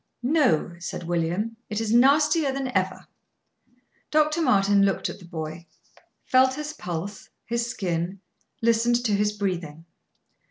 "No," said William; "it is nastier than ever." Dr. Martin looked at the boy; felt his pulse, his skin, listened to his breathing.